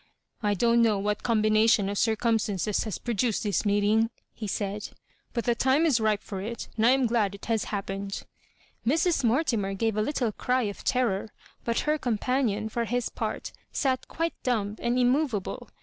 "I don't know what combination of ciroumstances has produced this meetmg," he said, '^but the time is ripe for it, and I am glad it has hap pened." Mrs. Mortimer gave a little cry of ter ror, but her companion, for his part^ sat quite dumb and immovable.